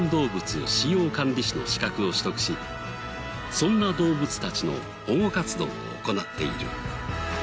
そんな動物たちの保護活動を行っている。